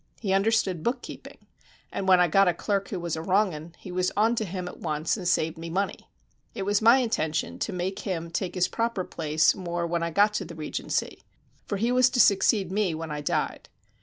He understood book keeping, and when I got a clerk who was a wrong 'un, he was on to him at once and saved me money. It was my intention to make him take his proper place more when I got to the Regency; for he was to succeed me when I died.